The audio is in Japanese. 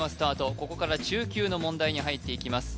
ここから中級の問題に入っていきます